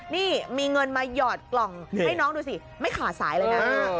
นี่มีเงินมาหยอดกล่องให้น้องดูสิไม่ขาดสายเลยนะ